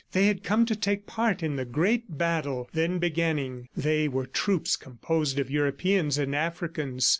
They had come to take part in the great battle then beginning. They were troops composed of Europeans and Africans.